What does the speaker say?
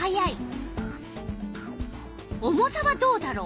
重さはどうだろう？